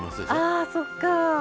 あそっか。